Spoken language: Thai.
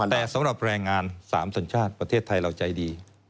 แต่สำหรับแรงงาน๓สัญชาติประเทศไทยเราใจดี